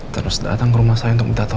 terus datang ke rumah saya untuk minta tolong